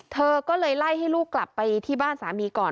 เธอก็เลยไล่ให้ลูกกลับไปที่บ้านสามีก่อน